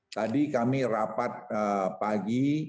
tadi kami rapat pagi